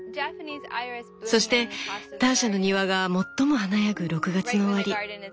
そしてターシャの庭が最も華やぐ６月の終わり。